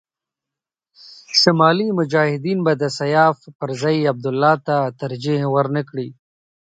شمالي مجاهدین به د سیاف پر ځای عبدالله ته ترجېح ور نه کړي.